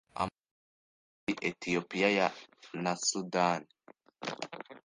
amapfa yabaye muri Etiyopiya naSudani